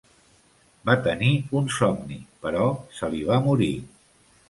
Va tenir un somni, però se li va morir.